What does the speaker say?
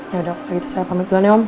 yaudah waktu itu saya pamit dulu aja om